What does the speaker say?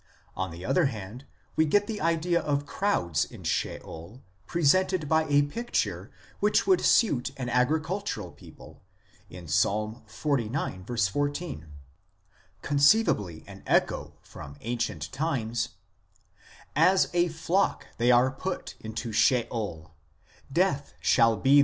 On the other hand, we get the idea of crowds in Sheol presented by a picture which would suit an agricultural people in Ps. xlix. 14 (15 in Hebr.), conceivably an echo from ancient times :" As a flock they are put in Sheol ; Death shall be their 1 Cp. 2 Sam. xii.